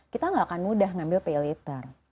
kita gak akan mudah ngambil pay later